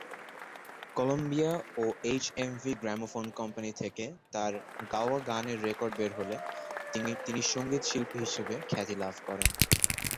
Columbia ও HMV gramophone company থেকে তার গাওয়া গানের রেকর্ড বের হলে তিনি সঙ্গীতশিল্পী হিসেবে খ্যাতি লাভ করেন।